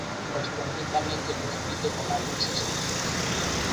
Pois permítame que llo explique con algúns exemplos.